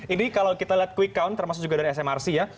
ini kalau kita lihat quick count termasuk juga dari smrc ya